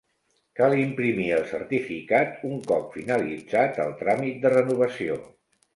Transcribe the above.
Cal imprimir el certificat un cop finalitzat el tràmit de renovació.